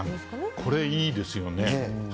これいいですよね。